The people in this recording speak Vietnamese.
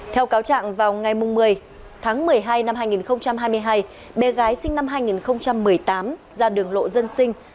theo cáo trạng vào ngày một mươi tháng một mươi hai năm hai nghìn hai mươi hai bé gái sinh năm hai nghìn một mươi tám ra đường lộ dân sinh